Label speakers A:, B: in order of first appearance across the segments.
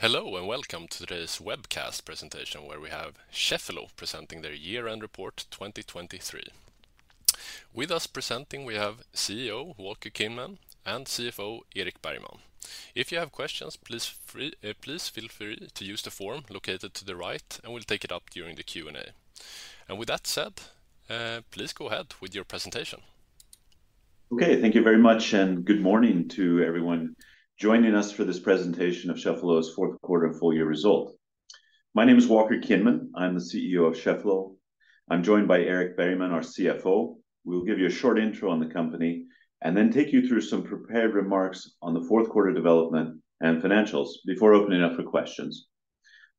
A: Hello and welcome to today's webcast presentation where we have Cheffelo presenting their year-end report 2023. With us presenting we have CEO Walker Kinman and CFO Erik Bergman. If you have questions please feel free to use the form located to the right and we'll take it up during the Q&A. With that said, please go ahead with your presentation.
B: Okay, thank you very much and good morning to everyone joining us for this presentation of Cheffelo's Q4 full year result. My name is Walker Kinman. I'm the CEO of Cheffelo. I'm joined by Erik Bergman, our CFO. We'll give you a short intro on the company and then take you through some prepared remarks on the Q4 development and financials before opening up for questions.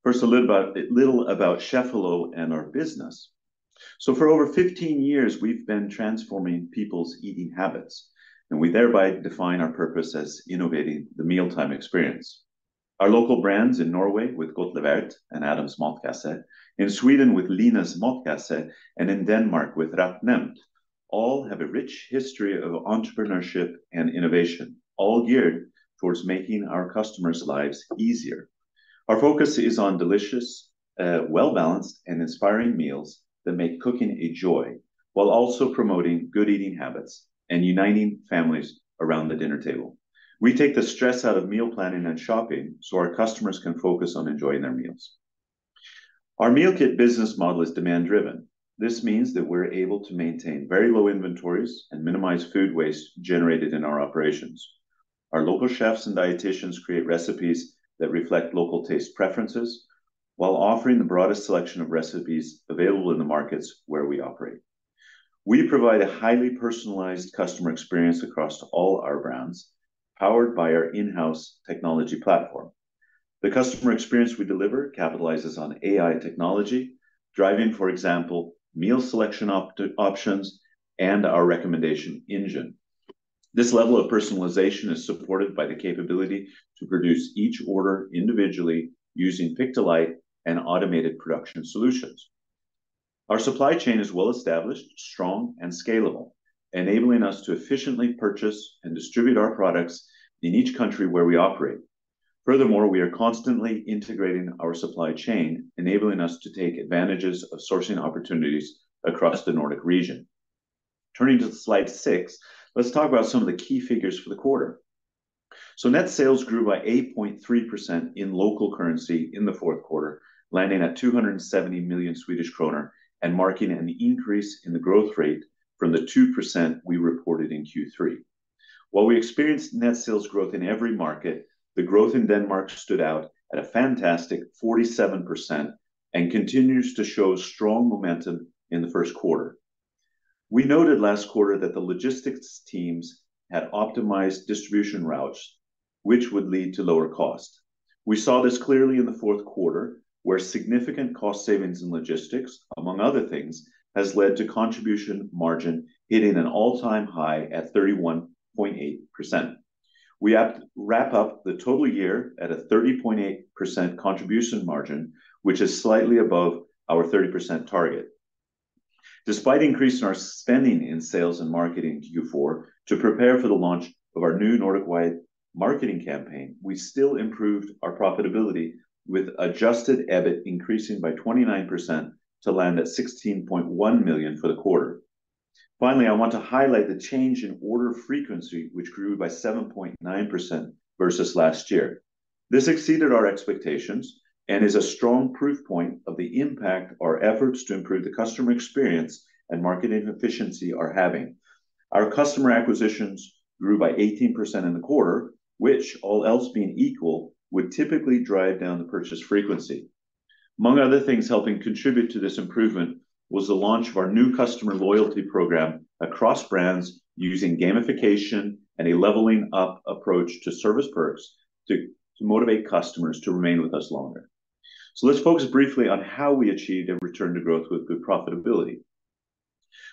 B: First a little about Cheffelo and our business. So for over 15 years we've been transforming people's eating habits. And we thereby define our purpose as innovating the mealtime experience. Our local brands in Norway with Godtlevert and Adams Matkasse, in Sweden with Linas Matkasse, and in Denmark with RetNemt all have a rich history of entrepreneurship and innovation all geared towards making our customers' lives easier. Our focus is on delicious, well-balanced and inspiring meals that make cooking a joy while also promoting good eating habits and uniting families around the dinner table. We take the stress out of meal planning and shopping so our customers can focus on enjoying their meals. Our meal kit business model is demand driven. This means that we're able to maintain very low inventories and minimize food waste generated in our operations. Our local chefs and dietitians create recipes that reflect local taste preferences, while offering the broadest selection of recipes available in the markets where we operate. We provide a highly personalized customer experience across all our brands, powered by our in-house technology platform. The customer experience we deliver capitalizes on AI technology, driving for example, meal selection options and our recommendation engine. This level of personalization is supported by the capability to produce each order individually using pick to light and automated production solutions. Our supply chain is well established, strong and scalable, enabling us to efficiently purchase and distribute our products in each country where we operate. Furthermore, we are constantly integrating our supply chain enabling us to take advantages of sourcing opportunities across the Nordic region. Turning to slide six, let's talk about some of the key figures for the quarter. So net sales grew by 8.3% in local currency in the Q4, landing at 270 million Swedish kronor and marking an increase in the growth rate from the 2% we reported in Q3. While we experienced net sales growth in every market, the growth in Denmark stood out at a fantastic 47% and continues to show strong momentum in the Q1. We noted last quarter that the logistics teams had optimized distribution routes, which would lead to lower cost. We saw this clearly in the Q4, where significant cost savings in logistics, among other things, has led to contribution margin hitting an all-time high at 31.8%. We wrap up the total year at a 30.8% contribution margin, which is slightly above our 30% target. Despite increasing our spending in sales and marketing Q4 to prepare for the launch of our new Nordic wide marketing campaign, we still improved our profitability with adjusted EBIT increasing by 29% to land at 16.1 million for the quarter. Finally, I want to highlight the change in order frequency which grew by 7.9% versus last year. This exceeded our expectations, and is a strong proof point of the impact our efforts to improve the customer experience and marketing efficiency are having. Our customer acquisitions grew by 18% in the quarter, which all else being equal would typically drive down the purchase frequency. Among other things helping contribute to this improvement was the launch of our new customer loyalty program across brands using gamification and a leveling up approach to service perks to motivate customers to remain with us longer. So let's focus briefly on how we achieved a return to growth with good profitability.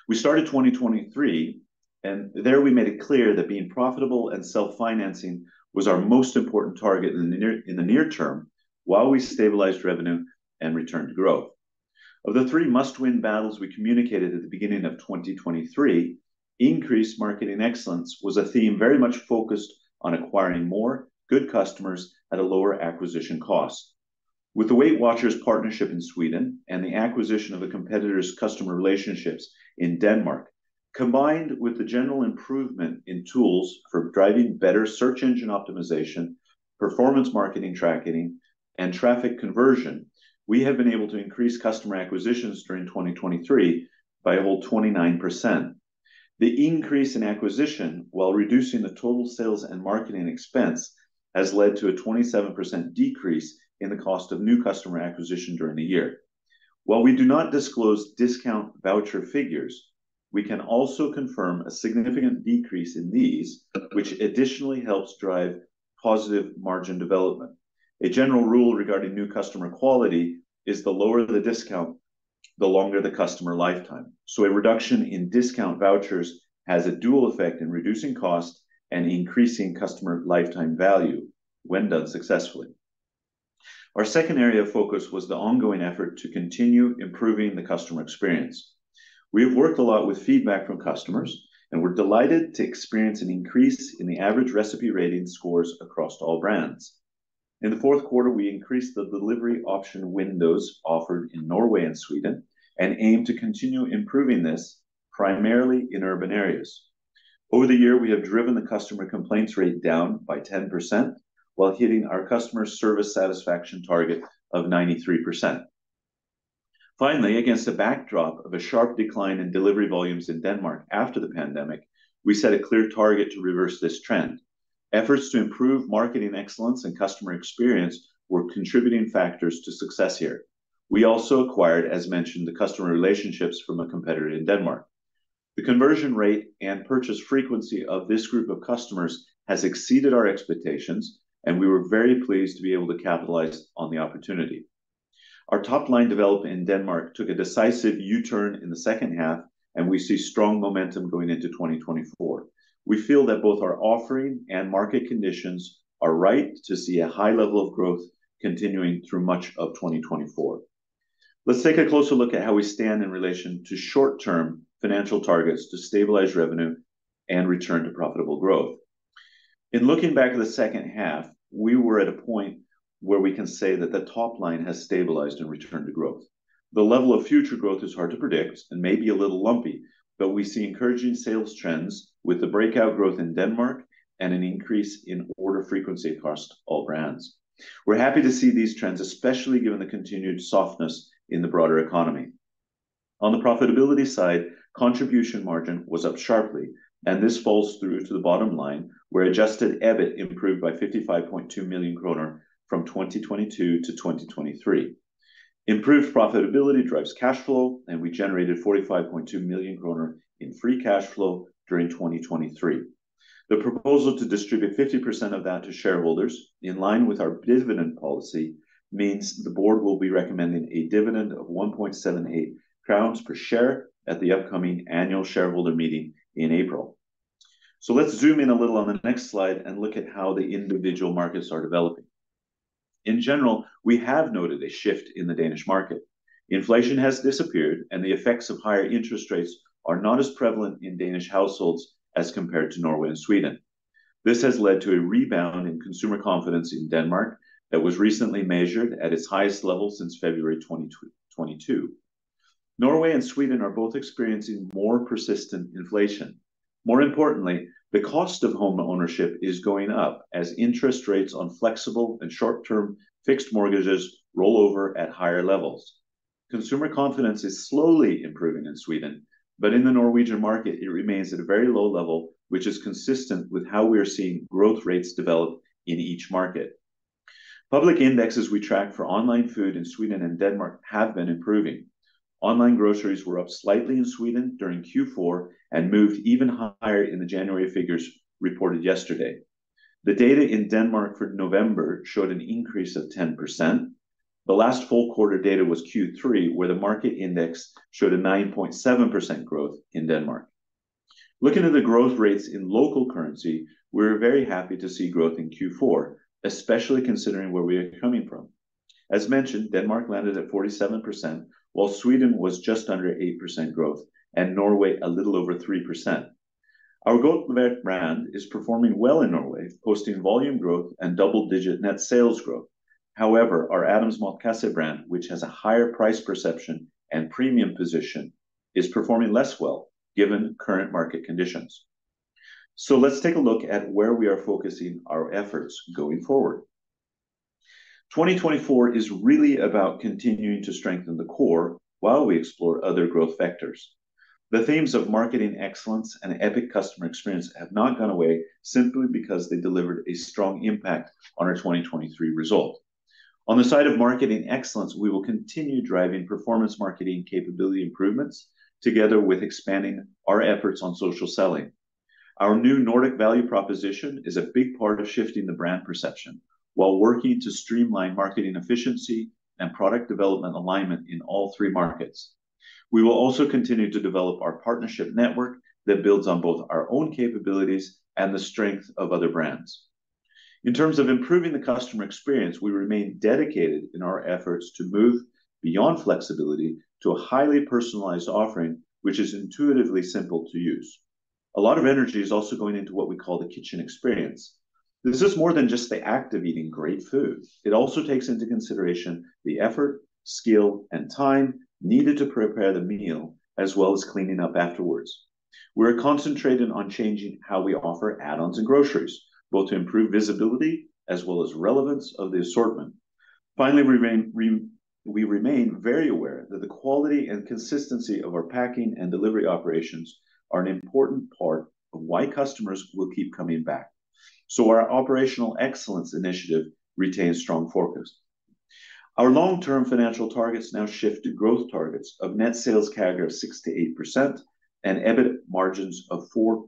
B: We started 2023, and there we made it clear that being profitable and self-financing was our most important target in the near term, while we stabilized revenue and returned to growth. Of the three must-win battles we communicated at the beginning of 2023, increased marketing excellence was a theme very much focused on acquiring more good customers at a lower acquisition cost. With the WeightWatchers partnership in Sweden and the acquisition of a competitor's customer relationships in Denmark, combined with the general improvement in tools for driving better search engine optimization, performance marketing tracking, and traffic conversion, we have been able to increase customer acquisitions during 2023 by a whole 29%. The increase in acquisition while reducing the total sales and marketing expense has led to a 27% decrease in the cost of new customer acquisition during the year. While we do not disclose discount voucher figures, we can also confirm a significant decrease in these, which additionally helps drive positive margin development. A general rule regarding new customer quality is the lower the discount, the longer the customer lifetime. So a reduction in discount vouchers has a dual effect in reducing cost and increasing customer lifetime value when done successfully. Our second area of focus was the ongoing effort to continue improving the customer experience. We have worked a lot with feedback from customers, and we're delighted to experience an increase in the average recipe rating scores across all brands. In the Q4, we increased the delivery option windows offered in Norway and Sweden and aim to continue improving this primarily in urban areas. Over the year, we have driven the customer complaints rate down by 10% while hitting our customer service satisfaction target of 93%. Finally, against the backdrop of a sharp decline in delivery volumes in Denmark after the pandemic, we set a clear target to reverse this trend. Efforts to improve marketing excellence and customer experience were contributing factors to success here. We also acquired, as mentioned, the customer relationships from a competitor in Denmark. The conversion rate and purchase frequency of this group of customers has exceeded our expectations, and we were very pleased to be able to capitalize on the opportunity. Our top line development in Denmark took a decisive U-turn in the second half, and we see strong momentum going into 2024. We feel that both our offering and market conditions are right to see a high level of growth continuing through much of 2024. Let's take a closer look at how we stand in relation to short-term financial targets to stabilize revenue and return to profitable growth. In looking back at the second half, we were at a point where we can say that the top line has stabilized and returned to growth. The level of future growth is hard to predict and may be a little lumpy, but we see encouraging sales trends with the breakout growth in Denmark and an increase in order frequency across all brands. We're happy to see these trends, especially given the continued softness in the broader economy. On the profitability side, contribution margin was up sharply, and this falls through to the bottom line where adjusted EBIT improved by 55.2 million kronor from 2022 to 2023. Improved profitability drives cash flow, and we generated 45.2 million kronor in free cash flow during 2023. The proposal to distribute 50% of that to shareholders in line with our dividend policy means the board will be recommending a dividend of 1.78 crowns per share at the upcoming annual shareholder meeting in April. Let's zoom in a little on the next slide and look at how the individual markets are developing. In general, we have noted a shift in the Danish market. Inflation has disappeared, and the effects of higher interest rates are not as prevalent in Danish households as compared to Norway and Sweden. This has led to a rebound in consumer confidence in Denmark that was recently measured at its highest level since February 2022. Norway and Sweden are both experiencing more persistent inflation. More importantly, the cost of home ownership is going up as interest rates on flexible and short-term fixed mortgages roll over at higher levels. Consumer confidence is slowly improving in Sweden, but in the Norwegian market, it remains at a very low level, which is consistent with how we are seeing growth rates develop in each market. Public indexes we track for online food in Sweden and Denmark have been improving. Online groceries were up slightly in Sweden during Q4 and moved even higher in the January figures reported yesterday. The data in Denmark for November showed an increase of 10%. The last full quarter data was Q3 where the market index showed a 9.7% growth in Denmark. Looking at the growth rates in local currency, we're very happy to see growth in Q4, especially considering where we are coming from. As mentioned, Denmark landed at 47%, while Sweden was just under 8% growth, and Norway a little over 3%. Our Godtlevert brand is performing well in Norway, posting volume growth and double-digit net sales growth. However, our Adams Matkasse brand, which has a higher price perception and premium position, is performing less well given current market conditions. Let's take a look at where we are focusing our efforts going forward. 2024 is really about continuing to strengthen the core while we explore other growth vectors. The themes of marketing excellence and epic customer experience have not gone away simply because they delivered a strong impact on our 2023 result. On the side of marketing excellence, we will continue driving performance marketing capability improvements together with expanding our efforts on social selling. Our new Nordic value proposition is a big part of shifting the brand perception while working to streamline marketing efficiency and product development alignment in all three markets. We will also continue to develop our partnership network that builds on both our own capabilities and the strength of other brands. In terms of improving the customer experience, we remain dedicated in our efforts to move beyond flexibility to a highly personalized offering, which is intuitively simple to use. A lot of energy is also going into what we call the kitchen experience. This is more than just the act of eating great food. It also takes into consideration the effort, skill, and time needed to prepare the meal, as well as cleaning up afterwards. We're concentrating on changing how we offer add-ons and groceries, both to improve visibility as well as relevance of the assortment. Finally, we remain very aware that the quality and consistency of our packing and delivery operations are an important part of why customers will keep coming back. So our operational excellence initiative retains strong focus. Our long-term financial targets now shift to growth targets of net sales CAGR of 6%-8% and EBIT margins of 4%-6%.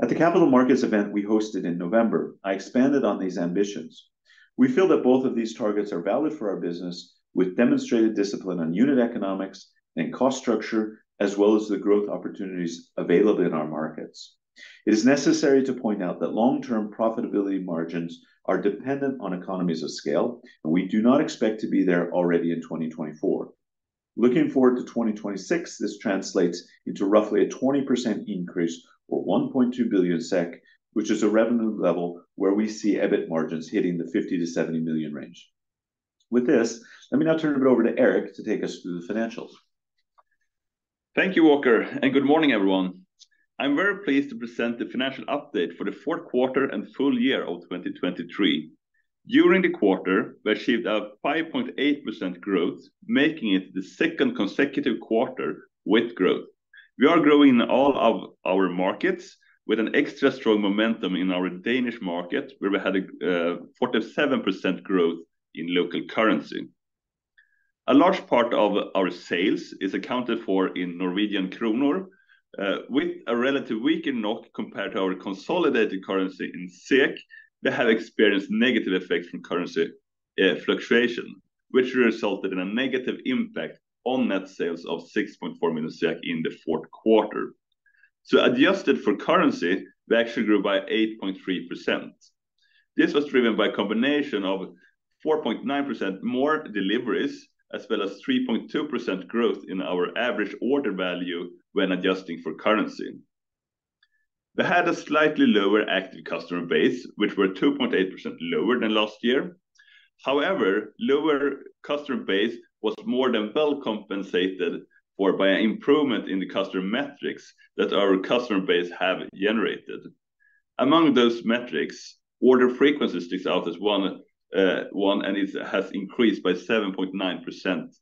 B: At the capital markets event we hosted in November, I expanded on these ambitions. We feel that both of these targets are valid for our business with demonstrated discipline on unit economics and cost structure, as well as the growth opportunities available in our markets. It is necessary to point out that long-term profitability margins are dependent on economies of scale, and we do not expect to be there already in 2024. Looking forward to 2026, this translates into roughly a 20% increase or 1.2 billion SEK, which is a revenue level where we see EBIT margins hitting the 50 million - 70 million range. With this, let me now turn it over to Erik to take us through the financials.
C: Thank you, Walker, and good morning, everyone. I'm very pleased to present the financial update for the Q4 and full year of 2023. During the quarter, we achieved a 5.8% growth, making it the second consecutive quarter with growth. We are growing in all of our markets with an extra strong momentum in our Danish market, where we had a 47% growth in local currency. A large part of our sales is accounted for in Norwegian kroner. With a relatively weaker krone compared to our consolidated currency in SEK, they have experienced negative effects from currency fluctuation, which resulted in a negative impact on net sales of 6.4 million in the Q4. So adjusted for currency, we actually grew by 8.3%. This was driven by a combination of 4.9% more deliveries, as well as 3.2% growth in our average order value when adjusting for currency. We had a slightly lower active customer base, which were 2.8% lower than last year. However, the lower customer base was more than well compensated for by an improvement in the customer metrics that our customer base has generated. Among those metrics, order frequency sticks out as one, and it has increased by 7.9%.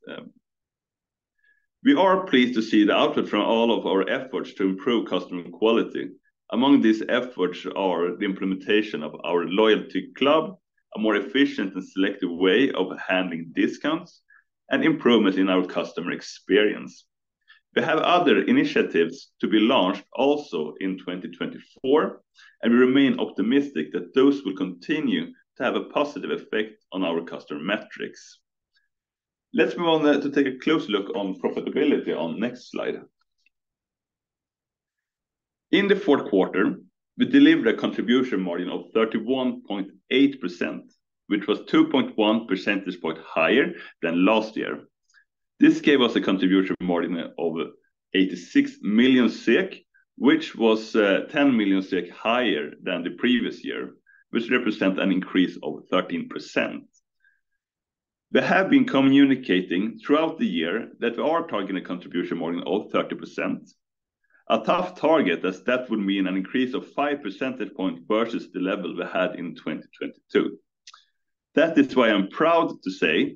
C: We are pleased to see the output from all of our efforts to improve customer quality. Among these efforts are the implementation of our loyalty club, a more efficient and selective way of handling discounts, and improvements in our customer experience. We have other initiatives to be launched also in 2024, and we remain optimistic that those will continue to have a positive effect on our customer metrics. Let's move on to take a closer look on profitability on the next slide. In the Q4, we delivered a contribution margin of 31.8%, which was 2.1 percentage points higher than last year. This gave us a contribution margin of 86 million, which was 10 million higher than the previous year, which represents an increase of 13%. We have been communicating throughout the year that we are targeting a contribution margin of 30%. A tough target, as that would mean an increase of 5 percentage points versus the level we had in 2022. That is why I'm proud to say,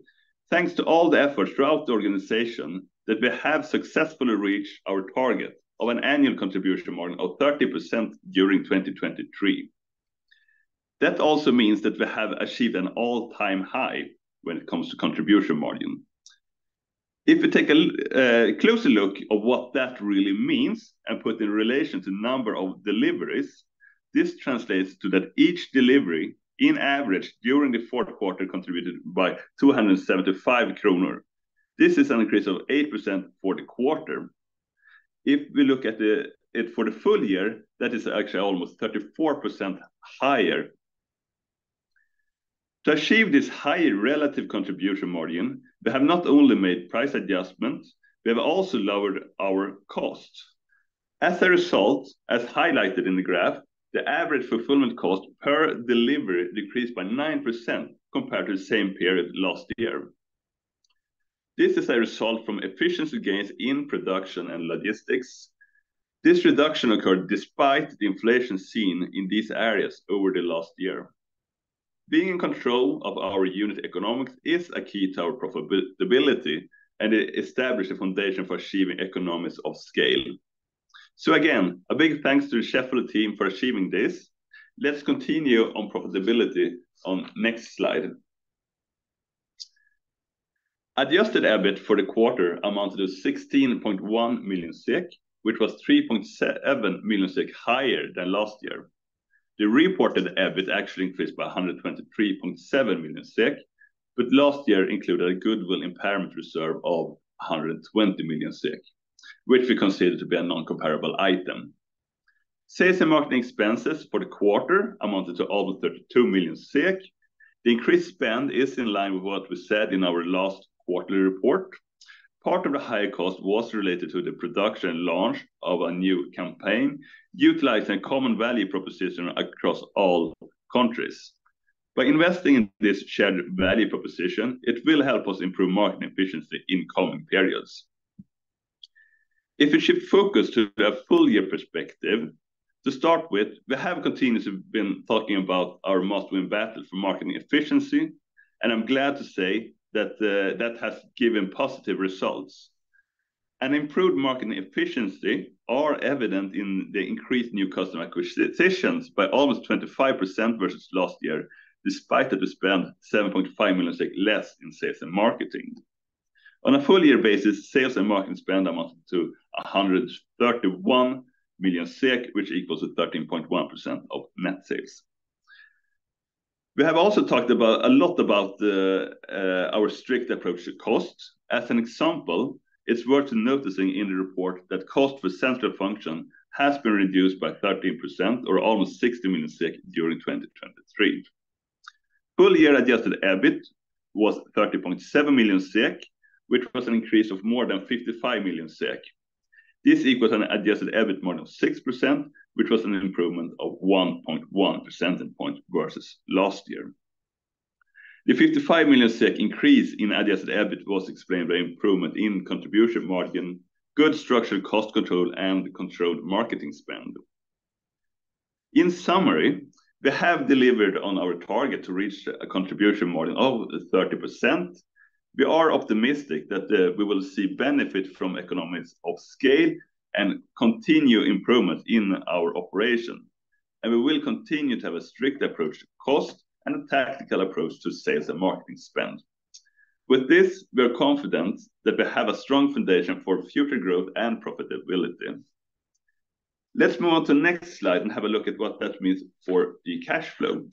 C: thanks to all the efforts throughout the organization, that we have successfully reached our target of an annual contribution margin of 30% during 2023. That also means that we have achieved an all-time high when it comes to contribution margin. If we take a closer look at what that really means and put it in relation to the number of deliveries, this translates to that each delivery in average during the Q4 contributed by 275 kronor. This is an increase of 8% for the quarter. If we look at it for the full year, that is actually almost 34% higher. To achieve this higher relative contribution margin, we have not only made price adjustments, we have also lowered our costs. As a result, as highlighted in the graph, the average fulfillment cost per delivery decreased by 9% compared to the same period last year. This is a result from efficiency gains in production and logistics. This reduction occurred despite the inflation seen in these areas over the last year. Being in control of our unit economics is a key to our profitability, and it established a foundation for achieving economies of scale. So again, a big thanks to the Cheffelo team for achieving this. Let's continue on profitability on the next slide. Adjusted EBIT for the quarter amounted to 16.1 million, which was 3.7 million higher than last year. The reported EBIT actually increased by 123.7 million. But last year included a goodwill impairment reserve of 120 million, which we consider to be a non-comparable item. Sales and marketing expenses for the quarter amounted to over 32 million SEK. The increased spend is in line with what we said in our last quarterly report. Part of the higher cost was related to the production and launch of a new campaign utilizing a common value proposition across all countries. By investing in this shared value proposition, it will help us improve marketing efficiency in coming periods. If we shift focus to the full year perspective, to start with, we have continuously been talking about our must-win battle for marketing efficiency. I'm glad to say that that has given positive results. Improved marketing efficiency is evident in the increased new customer acquisitions by almost 25% versus last year, despite the spend of 7.5 million SEK less in sales and marketing. On a full year basis, sales and marketing spend amounted to 131 million SEK, which equals 13.1% of net sales. We have also talked a lot about our strict approach to cost. As an example, it's worth noticing in the report that cost for central function has been reduced by 13% or almost 60 million during 2023. Full year adjusted EBIT was 30.7 million, which was an increase of more than 55 million. This equals an adjusted EBIT more than 6%, which was an improvement of 1.1 percentage points versus last year. The 55 million SEK increase in adjusted EBIT was explained by improvement in contribution margin, good structured cost control, and controlled marketing spend. In summary, we have delivered on our target to reach a contribution margin of 30%. We are optimistic that we will see benefits from economics of scale and continue improvements in our operation. And we will continue to have a strict approach to cost and a tactical approach to sales and marketing spend. With this, we are confident that we have a strong foundation for future growth and profitability. Let's move on to the next slide and have a look at what that means for the cash flow.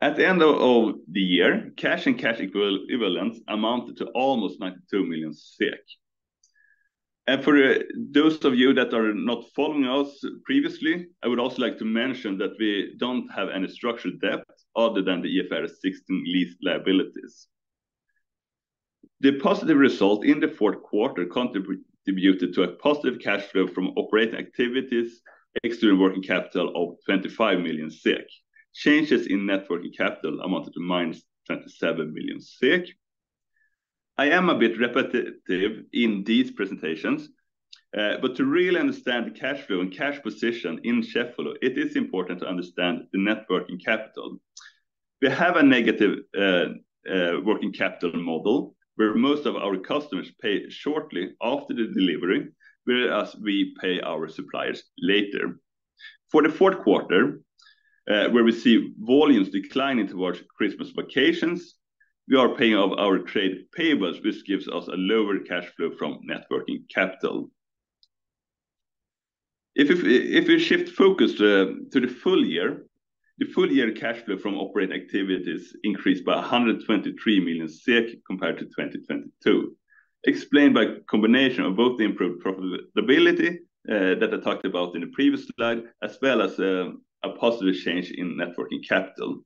C: At the end of the year, cash and cash equivalents amounted to almost 92 million SEK. For those of you that are not following us previously, I would also like to mention that we don't have any structured debt other than the IFRS 16 lease liabilities. The positive result in the Q4 contributed to a positive cash flow from operating activities. Net working capital of 25 million SEK. Changes in net working capital amounted to 27 million SEK. I am a bit repetitive in these presentations. To really understand the cash flow and cash position in Cheffelo, it is important to understand the net working capital. We have a negative working capital model where most of our customers pay shortly after the delivery, whereas we pay our suppliers later. For the Q4, where we see volumes declining towards Christmas vacations, we are paying off our trade payables, which gives us a lower cash flow from working capital. If we shift focus to the full year, the full year cash flow from operating activities increased by 123 million SEK compared to 2022. Explained by a combination of both the improved profitability that I talked about in the previous slide, as well as a positive change in working capital.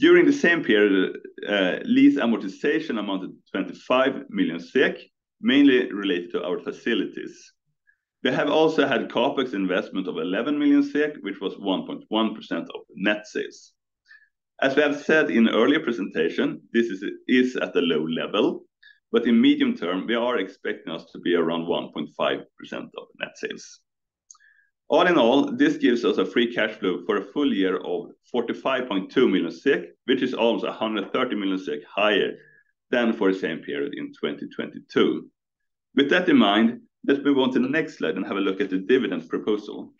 C: During the same period, lease amortization amounted to 25 million SEK, mainly related to our facilities. We have also had CapEx investment of 11 million SEK, which was 1.1% of net sales. As we have said in earlier presentations, this is at a low level. In medium term, we are expecting us to be around 1.5% of net sales. All in all, this gives us a free cash flow for a full year of 45.2 million, which is almost 130 million higher than for the same period in 2022. With that in mind, let's move on to the next slide and have a look at the dividend proposal.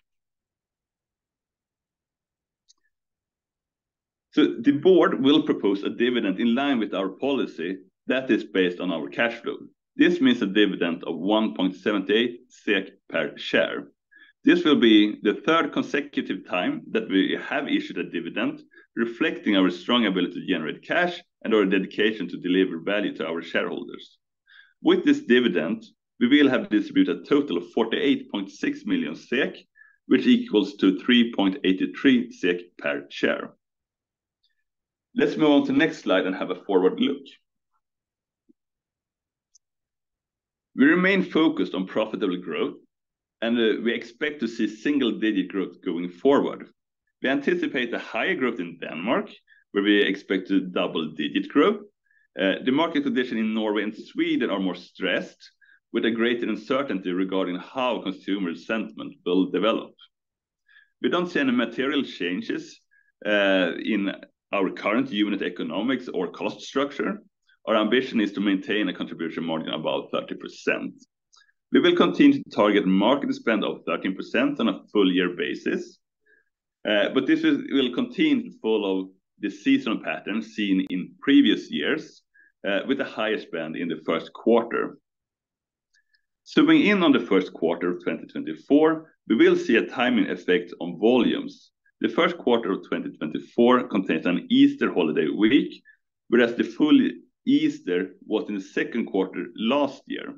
C: So the board will propose a dividend in line with our policy that is based on our cash flow. This means a dividend of 1.78 SEK per share. This will be the third consecutive time that we have issued a dividend, reflecting our strong ability to generate cash and our dedication to deliver value to our shareholders. With this dividend, we will have distributed a total of 48.6 million SEK, which equals 3.83 SEK per share. Let's move on to the next slide and have a forward look. We remain focused on profitable growth. We expect to see single-digit growth going forward. We anticipate a higher growth in Denmark, where we expect to double-digit growth. The market conditions in Norway and Sweden are more stressed, with a greater uncertainty regarding how consumer sentiment will develop. We don't see any material changes in our current unit economics or cost structure. Our ambition is to maintain a contribution margin of about 30%. We will continue to target market spend of 13% on a full year basis. This will continue to follow the seasonal pattern seen in previous years, with a higher spend in the Q1. Zooming in on the Q1 of 2024, we will see a timing effect on volumes. The Q1 of 2024 contains an Easter holiday week, whereas the full Easter was in the Q2 last year.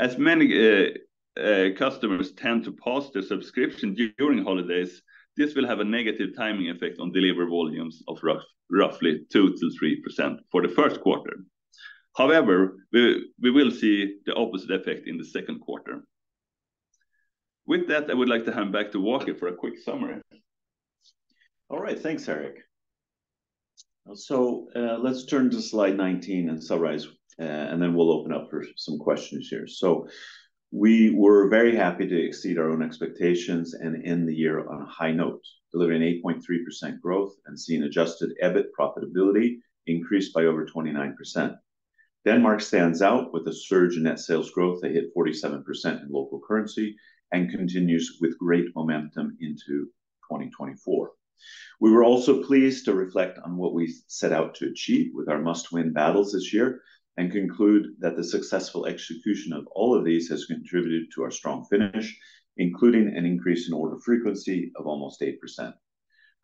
C: As many customers tend to pause their subscription during holidays, this will have a negative timing effect on delivery volumes of roughly 2%-3% for the Q1. However, we will see the opposite effect in the Q2. With that, I would like to hand back to Walker for a quick summary.
B: All right, thanks, Erik. So let's turn to slide 19 and summarize, and then we'll open up for some questions here. So we were very happy to exceed our own expectations and end the year on a high note, delivering 8.3% growth and seeing adjusted EBIT profitability increased by over 29%. Denmark stands out with a surge in net sales growth that hit 47% in local currency and continues with great momentum into 2024. We were also pleased to reflect on what we set out to achieve with our must-win battles this year and conclude that the successful execution of all of these has contributed to our strong finish, including an increase in order frequency of almost 8%.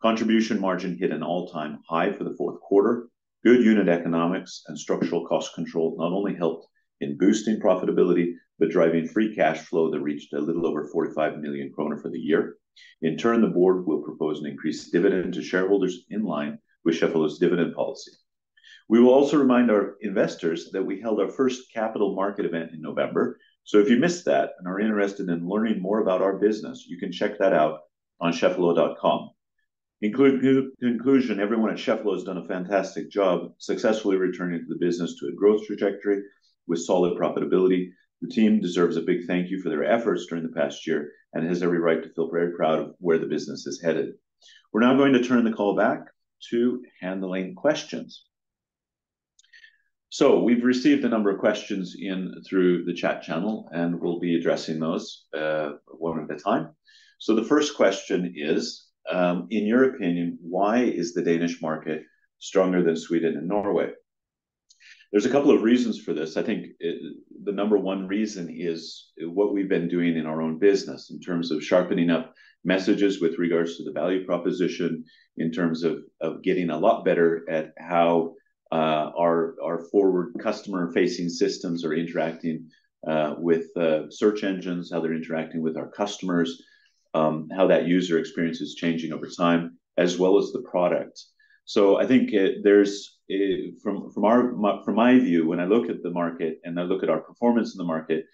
B: Contribution margin hit an all-time high for the Q4. Good unit economics and structural cost control not only helped in boosting profitability, but driving free cash flow that reached a little over 45 million kronor for the year. In turn, the board will propose an increased dividend to shareholders in line with Cheffelo's dividend policy. We will also remind our investors that we held our first capital market event in November. If you missed that and are interested in learning more about our business, you can check that out on cheffelo.com. In conclusion, everyone at Cheffelo has done a fantastic job, successfully returning the business to a growth trajectory with solid profitability. The team deserves a big thank you for their efforts during the past year and has every right to feel very proud of where the business is headed. We're now going to turn the call back to handling questions. So we've received a number of questions in through the chat channel and we'll be addressing those one at a time. So the first question is, in your opinion, why is the Danish market stronger than Sweden and Norway? There's a couple of reasons for this. I think the number one reason is what we've been doing in our own business in terms of sharpening up messages with regards to the value proposition, in terms of getting a lot better at how our forward customer-facing systems are interacting with search engines, how they're interacting with our customers, how that user experience is changing over time, as well as the product. So I think there's, from my view, when I look at the market and I look at our performance in the market,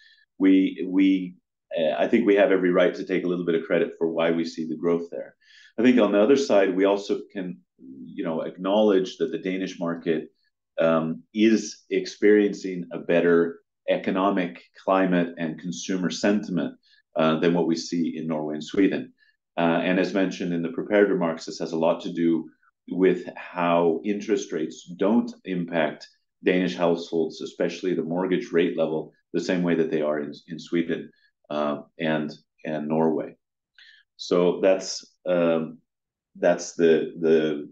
B: I think we have every right to take a little bit of credit for why we see the growth there. I think on the other side, we also can, you know, acknowledge that the Danish market is experiencing a better economic climate and consumer sentiment than what we see in Norway and Sweden. As mentioned in the prepared remarks, this has a lot to do with how interest rates don't impact Danish households, especially the mortgage rate level, the same way that they are in Sweden and Norway. So that's the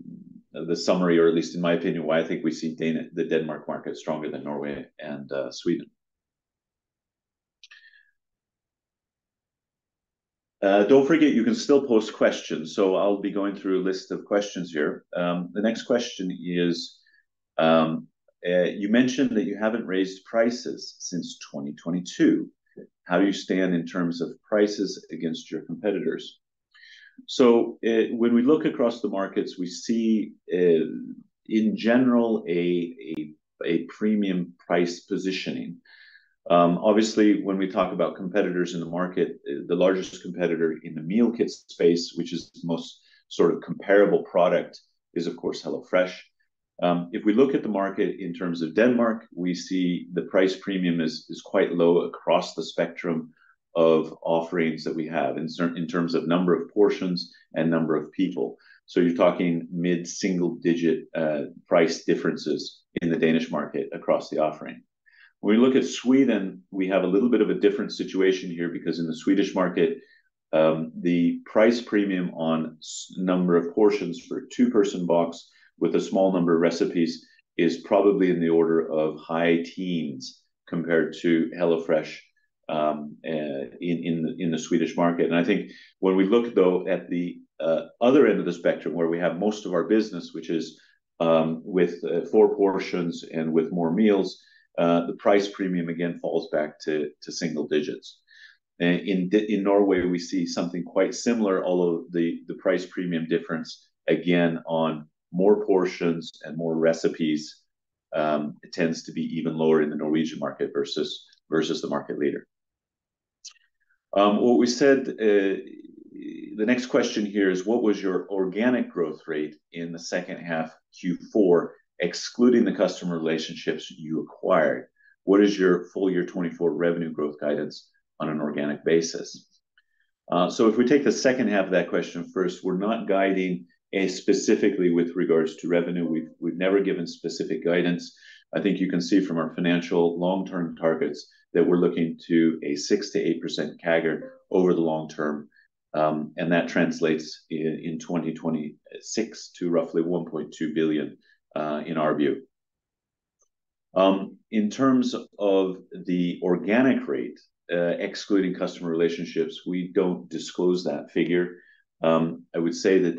B: summary, or at least in my opinion, why I think we see the Denmark market stronger than Norway and Sweden. Don't forget, you can still post questions. So I'll be going through a list of questions here. The next question is, you mentioned that you haven't raised prices since 2022. How do you stand in terms of prices against your competitors? So when we look across the markets, we see, in general, a premium price positioning. Obviously, when we talk about competitors in the market, the largest competitor in the meal kit space, which is the most sort of comparable product, is of course HelloFresh. If we look at the market in terms of Denmark, we see the price premium is quite low across the spectrum of offerings that we have in terms of number of portions and number of people. So you're talking mid-single-digit price differences in the Danish market across the offering. When we look at Sweden, we have a little bit of a different situation here because in the Swedish market, the price premium on number of portions for a two person box with a small number of recipes is probably in the order of high teens compared to HelloFresh in the Swedish market. And I think when we look, though, at the other end of the spectrum where we have most of our business, which is with four portions and with more meals, the price premium again falls back to single digits. In Norway, we see something quite similar, although the price premium difference again on more portions and more recipes tends to be even lower in the Norwegian market versus the market leader. What we said, the next question here is, what was your organic growth rate in the second half Q4, excluding the customer relationships you acquired? What is your full year 2024 revenue growth guidance on an organic basis? So if we take the second half of that question first, we're not guiding specifically with regards to revenue. We've never given specific guidance. I think you can see from our financial long-term targets that we're looking to a 6%-8% CAGR over the long term. And that translates in 2026 to roughly 1.2 billion in our view. In terms of the organic rate, excluding customer relationships, we don't disclose that figure. I would say that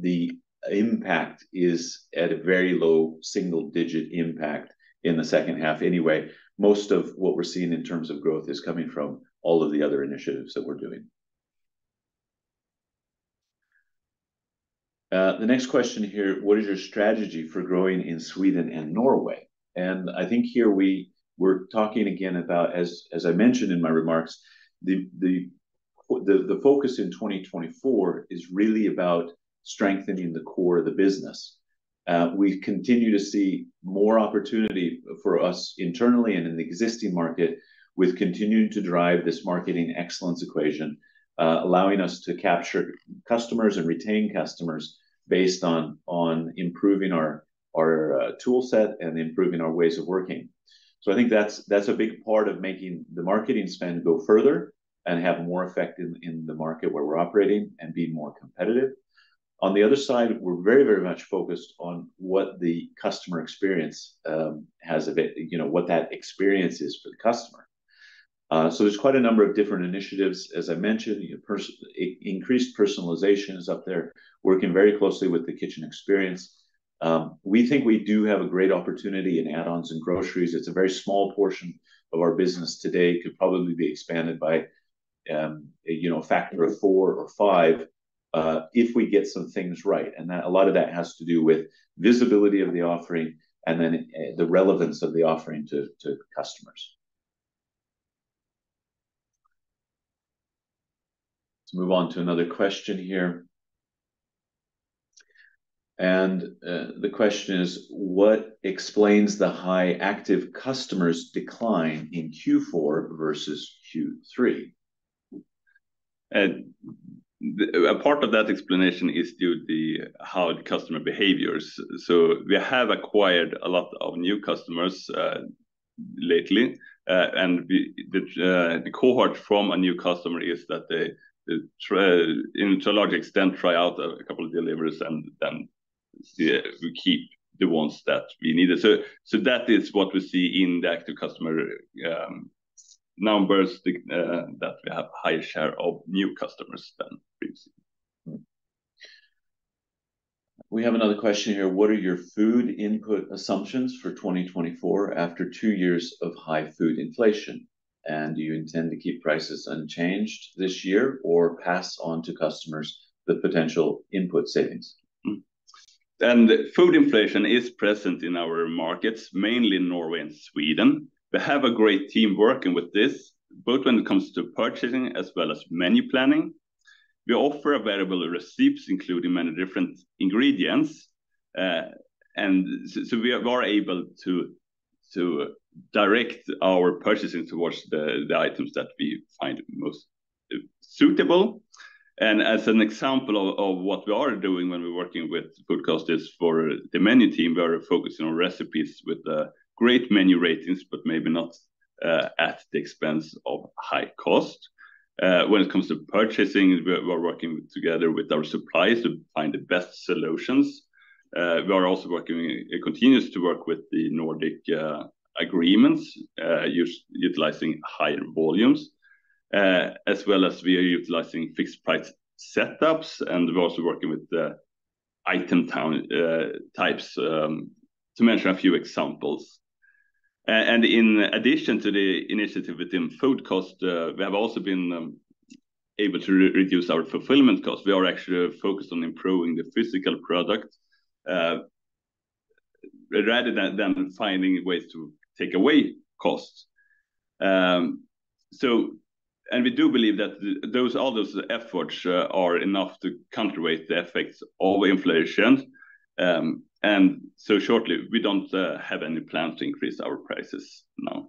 B: the impact is at a very low single digit impact in the second half anyway. Most of what we're seeing in terms of growth is coming from all of the other initiatives that we're doing. The next question here, what is your strategy for growing in Sweden and Norway? I think here we're talking again about, as I mentioned in my remarks, the focus in 2024 is really about strengthening the core of the business. We continue to see more opportunity for us internally and in the existing market with continuing to drive this marketing excellence equation, allowing us to capture customers and retain customers based on improving our toolset and improving our ways of working. So I think that's a big part of making the marketing spend go further and have more effect in the market where we're operating and be more competitive. On the other side, we're very, very much focused on what the customer experience has of it, you know, what that experience is for the customer. So there's quite a number of different initiatives, as I mentioned, increased personalization is up there, working very closely with the kitchen experience. We think we do have a great opportunity in add-ons and groceries. It's a very small portion of our business today could probably be expanded by, you know, a factor of four or five if we get some things right. And a lot of that has to do with visibility of the offering and then the relevance of the offering to customers. Let's move on to another question here. The question is, what explains the high active customers decline in Q4 versus Q3?
C: A part of that explanation is due to how the customer behaviors. We have acquired a lot of new customers lately. The cohort from a new customer is that they in a large extent try out a couple of deliveries and then we keep the ones that we needed. That is what we see in the active customer numbers that we have a higher share of new customers than previously.
B: We have another question here. What are your food input assumptions for 2024 after two years of high food inflation? And do you intend to keep prices unchanged this year or pass on to customers the potential input savings?
C: Food inflation is present in our markets, mainly Norway and Sweden. We have a great team working with this, both when it comes to purchasing as well as menu planning. We offer available recipes including many different ingredients. So we are able to direct our purchasing towards the items that we find most suitable. As an example of what we are doing when we're working with food cost is for the menu team, we are focusing on recipes with great menu ratings, but maybe not at the expense of high cost. When it comes to purchasing, we're working together with our suppliers to find the best solutions. We are also continuously working with the Nordic agreements, utilizing higher volumes. As well as we are utilizing fixed price setups and we're also working with the item town types, to mention a few examples. In addition to the initiative within food cost, we have also been able to reduce our fulfillment costs. We are actually focused on improving the physical product rather than finding ways to take away costs. We do believe that all those efforts are enough to counterweight the effects of inflation. So shortly, we don't have any plan to increase our prices now.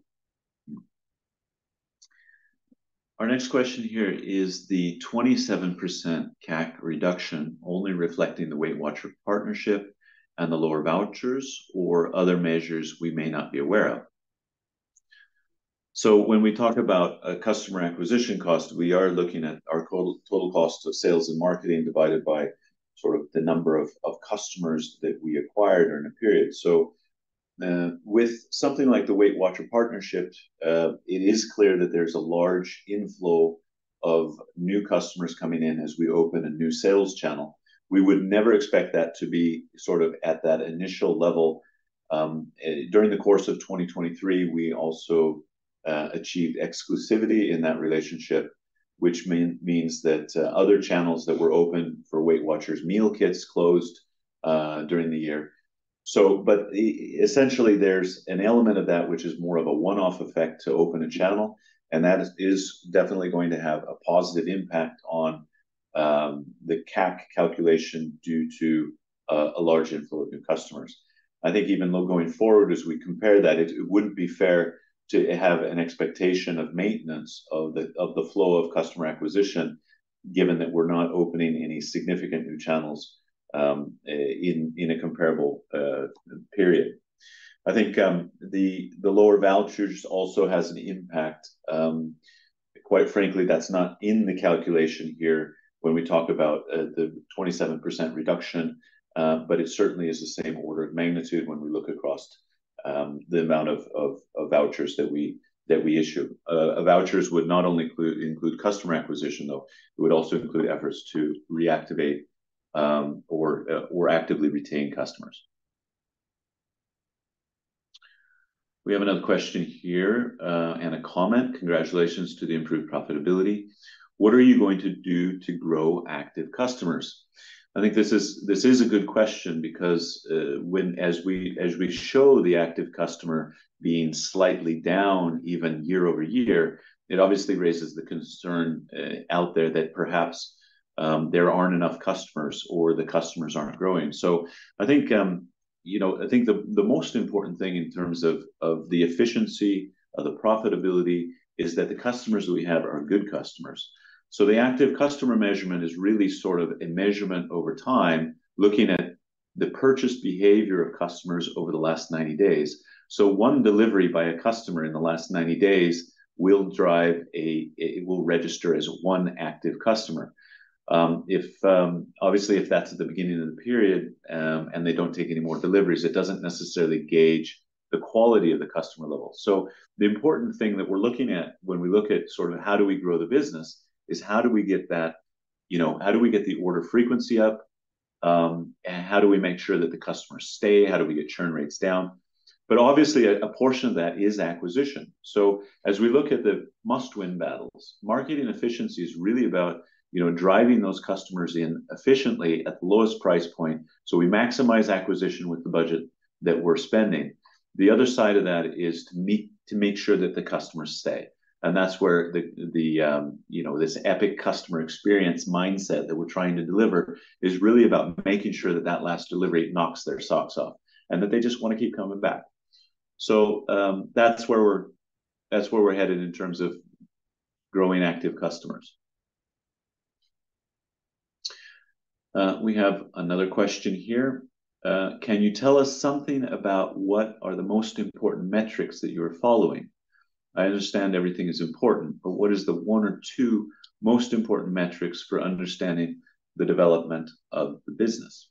B: Our next question here is: Is the 27% CAC reduction only reflecting the WeightWatchers Partnership and the lower vouchers or other measures we may not be aware of? So when we talk about customer acquisition costs, we are looking at our total cost of sales and marketing divided by sort of the number of customers that we acquired during the period. So with something like the WeightWatchers Partnership, it is clear that there's a large inflow of new customers coming in as we open a new sales channel. We would never expect that to be sort of at that initial level. During the course of 2023, we also achieved exclusivity in that relationship, which means that other channels that were open for WeightWatchers meal kits closed during the year. So but essentially there's an element of that which is more of a one-off effect to open a channel. That is definitely going to have a positive impact on the CAC calculation due to a large inflow of new customers. I think even though going forward as we compare that, it wouldn't be fair to have an expectation of maintenance of the flow of customer acquisition, given that we're not opening any significant new channels in a comparable period. I think the lower vouchers also has an impact. Quite frankly, that's not in the calculation here when we talk about the 27% reduction. But it certainly is the same order of magnitude when we look across the amount of vouchers that we issue. Vouchers would not only include customer acquisition, though; it would also include efforts to reactivate or actively retain customers. We have another question here and a comment. Congratulations to the improved profitability. What are you going to do to grow active customers? I think this is a good question because when as we show the active customer being slightly down even year-over-year, it obviously raises the concern out there that perhaps there aren't enough customers or the customers aren't growing. So I think, you know, I think the most important thing in terms of the efficiency of the profitability is that the customers that we have are good customers. So the active customer measurement is really sort of a measurement over time looking at the purchase behavior of customers over the last 90 days. So one delivery by a customer in the last 90 days it will register as one active customer. If obviously that's at the beginning of the period, and they don't take any more deliveries, it doesn't necessarily gauge the quality of the customer level. So the important thing that we're looking at when we look at sort of how do we grow the business is how do we get that, you know, how do we get the order frequency up? How do we make sure that the customers stay? How do we get churn rates down? But obviously a portion of that is acquisition. So as we look at the must win battles, marketing efficiency is really about, you know, driving those customers in efficiently at the lowest price point. So we maximize acquisition with the budget that we're spending. The other side of that is to make sure that the customers stay. And that's where the, you know, this epic customer experience mindset that we're trying to deliver is really about making sure that that last delivery knocks their socks off, and that they just want to keep coming back. So that's where we're headed in terms of growing active customers. We have another question here. Can you tell us something about what are the most important metrics that you're following? I understand everything is important, but what is the one or two most important metrics for understanding the development of the business?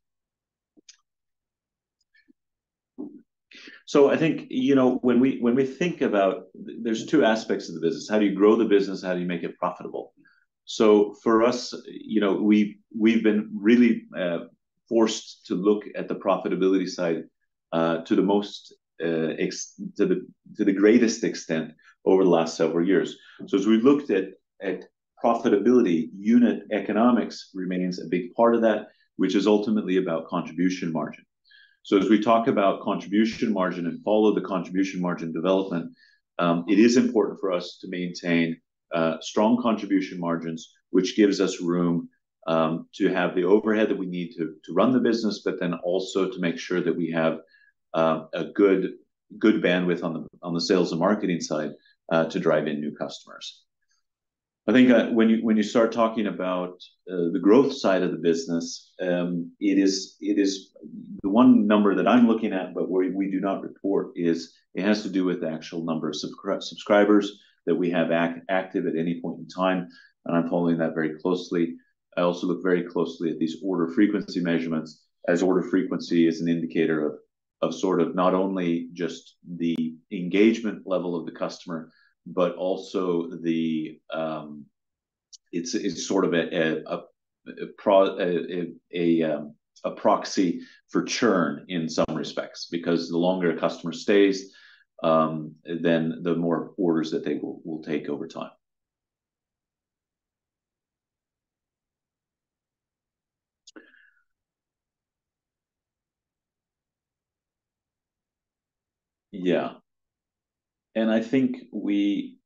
B: So I think, you know, when we think about, there's two aspects of the business, how do you grow the business, how do you make it profitable? So for us, you know, we've been really forced to look at the profitability side to the most to the greatest extent over the last several years. So as we looked at profitability, unit economics remains a big part of that, which is ultimately about contribution margin. So as we talk about contribution margin and follow the contribution margin development, it is important for us to maintain strong contribution margins, which gives us room to have the overhead that we need to run the business, but then also to make sure that we have a good bandwidth on the sales and marketing side to drive in new customers. I think when you start talking about the growth side of the business, it is the one number that I'm looking at, but we do not report. It has to do with the actual numbers of subscribers that we have active at any point in time. And I'm following that very closely. I also look very closely at these order frequency measurements as order frequency is an indicator of sort of not only just the engagement level of the customer, but also, it's sort of a proxy for churn in some respects, because the longer a customer stays, then the more orders that they will take over time. Yeah. And I think we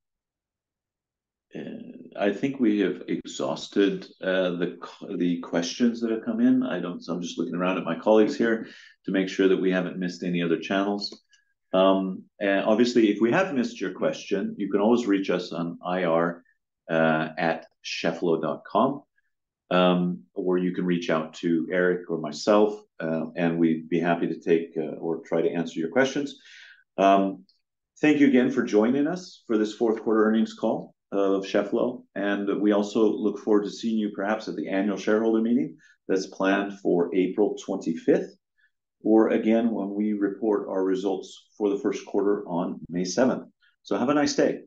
B: have exhausted the questions that have come in. I'm just looking around at my colleagues here to make sure that we haven't missed any other channels. Obviously, if we have missed your question, you can always reach us on ir@cheffelo.com, or you can reach out to Erik or myself, and we'd be happy to take or try to answer your questions. Thank you again for joining us for this Q4 earnings call of Cheffelo. We also look forward to seeing you perhaps at the annual shareholder meeting that's planned for April 25. Again, when we report our results for the Q1 on May 7. Have a nice day.